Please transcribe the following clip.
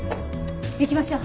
行きましょう。